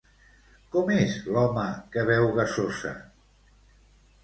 Com és l'home que beu gasosa?